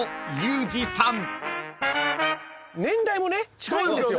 年代もね近いんですよ。